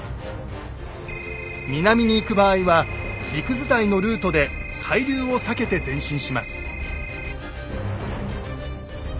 南に行く場合は陸伝いのルートで海流を避けて前進します。